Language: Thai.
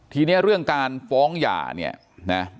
ทีนี้เรื่องการฟ้องหย่าเนี่ยนะ